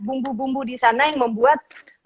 bumbu bumbu disana yang membuat